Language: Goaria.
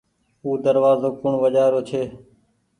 او دروآزو ڪوڻ وجهآ رو ڇي۔